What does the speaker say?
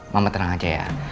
mama tenang aja ya